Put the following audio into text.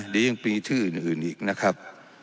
เดี๋ยวยังมีชื่ออื่นอีกนะครับ